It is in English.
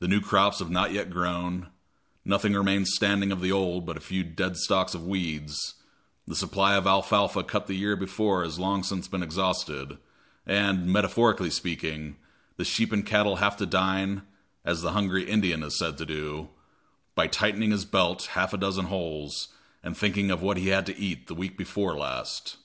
The new crops have not yet grown, nothing remains standing of the old but a few dead stalks of weeds, the supply of alfalfa cut the year before has long since been exhausted, and, metaphorically speaking, the sheep and cattle have to dine, as the hungry Indian is said to do, by tightening his belt half a dozen holes and thinking of what he had to eat week before last.